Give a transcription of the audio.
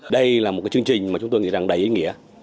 đây là một chương trình mà chúng tôi nghĩ rằng đầy ý nghĩa